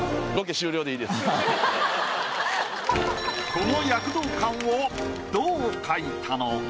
この躍動感をどう描いたのか？